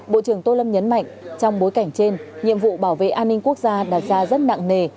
bộ trưởng tô lâm nhấn mạnh trong bối cảnh trên nhiệm vụ bảo vệ an ninh quốc gia đạt ra rất nặng nề